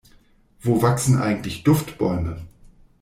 Wo wachsen eigentlich Duftbäume?